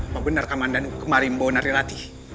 mau benar kamandano kemarin membawa narirati